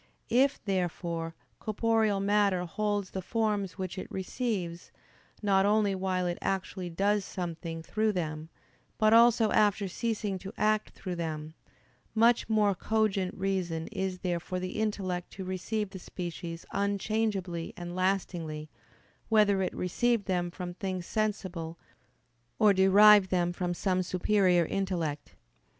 If, therefore, corporeal matter holds the forms which it receives, not only while it actually does something through them, but also after ceasing to act through them, much more cogent reason is there for the intellect to receive the species unchangeably and lastingly, whether it receive them from things sensible, or derive them from some superior intellect.